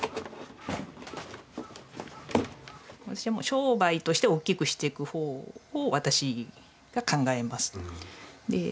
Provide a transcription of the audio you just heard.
商売として大きくしていく方を私が考えます。